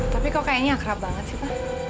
tapi kok kayaknya akrab banget sih pak